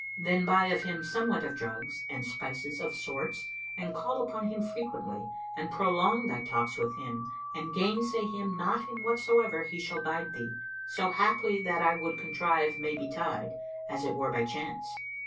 Then buy of him somewhat of drugs and spices of sorts and call upon him frequently and prolong thy talks with him and gainsay him not in whatsoever he shall bid thee; so haply that I would contrive may betide, as it were by chance."